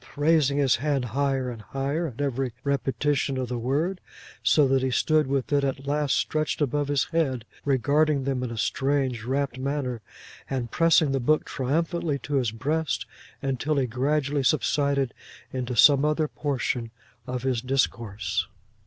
'—raising his hand higher, and higher, at every repetition of the word, so that he stood with it at last stretched above his head, regarding them in a strange, rapt manner, and pressing the book triumphantly to his breast, until he gradually subsided into some other portion of his discourse.